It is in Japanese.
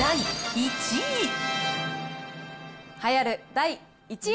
第１位。